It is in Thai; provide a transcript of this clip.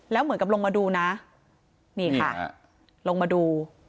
แล้วเหมือนกับลงมาดูนะนี่ค่ะลงมาดู